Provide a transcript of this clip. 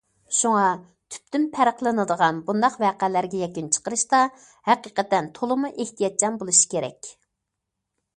شۇڭا تۈپتىن پەرقلىنىدىغان بۇنداق ۋەقەلەرگە يەكۈن چىقىرىشتا ھەقىقەتەن تولىمۇ ئېھتىياتچان بولۇش كېرەك.